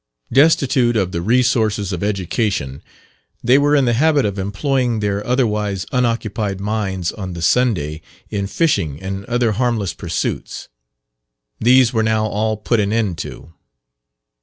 Destitute of the resources of education, they were in the habit of employing their otherwise unoccupied minds on the Sunday in fishing and other harmless pursuits; these were now all put an end to.